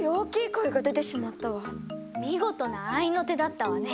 見事な合いの手だったわね。